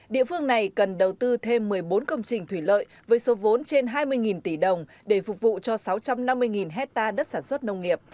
địa phương này cần đầu tư thêm một mươi bốn công trình thủy lợi với số vốn trên hai mươi tỷ đồng để phục vụ cho sáu trăm năm mươi hectare đất sản xuất nông nghiệp